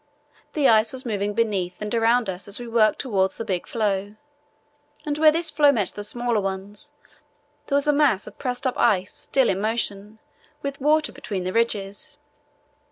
The ice was moving beneath and around us as we worked towards the big floe, and where this floe met the smaller ones there was a mass of pressed up ice, still in motion, with water between the ridges.